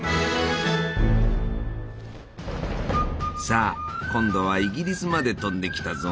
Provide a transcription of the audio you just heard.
さあ今度はイギリスまで飛んできたぞ。